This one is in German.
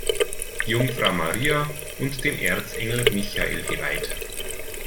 Jungfrau Maria und dem Erzengel Michael geweiht.